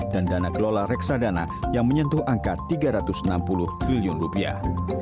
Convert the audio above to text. dan dana kelola reksadana yang menyentuh angka tiga ratus enam puluh triliun rupiah